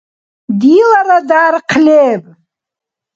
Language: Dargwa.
– Дилара дярхъ леб…